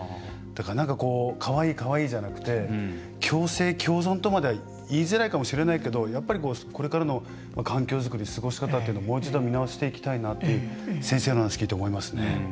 だから、なんか、こうかわいい、かわいいじゃなくて共生共存とまでは言いづらいかもしれないけどやっぱり、これからの環境作り過ごし方っていうのをもう一度見直していきたいなって先生の話聞いて思いますね。